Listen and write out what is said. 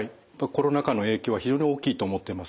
コロナ禍の影響は非常に大きいと思ってます。